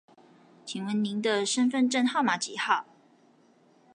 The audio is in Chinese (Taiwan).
請問您的身分證號碼幾號